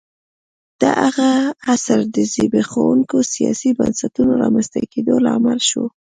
دغه عصر د زبېښونکو سیاسي بنسټونو رامنځته کېدو لامل شو